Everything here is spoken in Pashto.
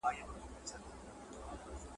مور د ماشوم د روغتيا بدلونونه ياداښت کوي.